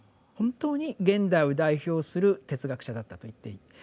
本当に現代を代表する哲学者だったと言っていい。